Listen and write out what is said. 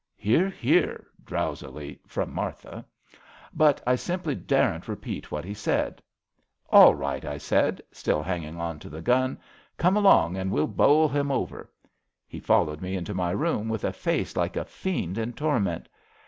Hear! hear! " drowsily from Martha. But I simply daren't repeat what he said ^ All right !' I said, still hanging on to the gun. * Come along and we'll bowl him over.' He fol lowed me into my room with a face like a fiend in torment.